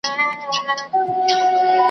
تاندي لښتي وې ولاړي شنه واښه وه `